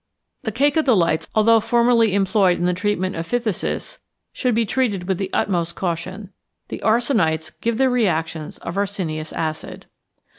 The cacodylates, although formerly employed in the treatment of phthisis, should be used with the utmost caution. The arsenites give the reactions of arsenious acid.